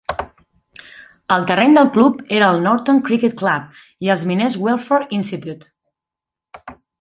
El terreny del club era el Norton Cricket Club i el Miners Welfare Institute.